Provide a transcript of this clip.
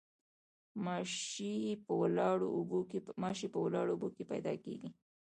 ماشي په ولاړو اوبو کې پیدا کیږي